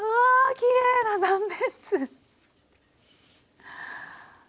きれいな断面図。